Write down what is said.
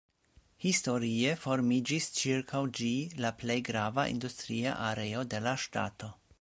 Historie formiĝis ĉirkaŭ ĝi la plej grava industria areo de la ŝtato.